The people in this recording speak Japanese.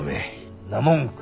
んなもん